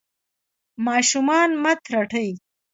ماشومان مه ترټئ.